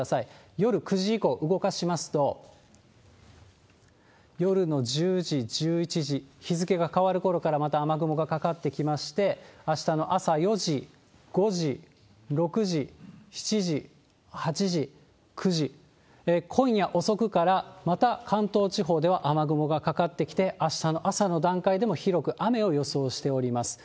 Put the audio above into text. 夜９時以降、動かしますと、夜の１０時、１１時、日付が変わるころからまた雨雲がかかってきまして、あしたの朝４時、５時、６時、７時、８時、９時、今夜遅くからまた、関東地方では雨雲がかかってきて、あしたの朝の段階でも広く雨を予想しております。